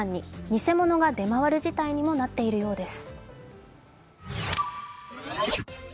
偽物が出回る事態にもなっているようです。